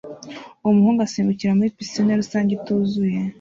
Umuhungu asimbukira muri pisine rusange ituzuye